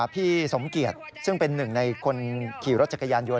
พี่สมเกียจซึ่งเป็นหนึ่งในคนขี่รถจักรยานยนต